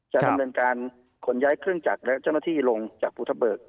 ดำเนินการขนย้ายเครื่องจักรและเจ้าหน้าที่ลงจากภูทะเบิก